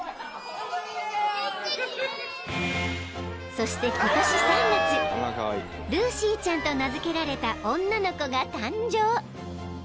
［そして今年３月ルーシーちゃんと名付けられた女の子が誕生］